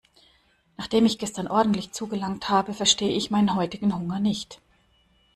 Nachdem ich gestern ordentlich zugelangt habe, verstehe ich meinen heutigen Hunger nicht.